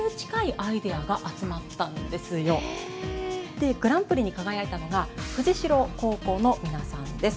でグランプリに輝いたのが藤代高校の皆さんです。